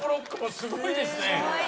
すごいですね